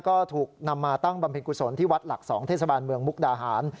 ก็ถูกนำมาตั้งบำเพ็ญกุศลที่วัดหลัก๒เทศบาลเมืองมุกดาหาร